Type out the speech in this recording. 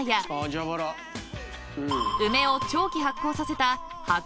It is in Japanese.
［梅を長期醗酵させた］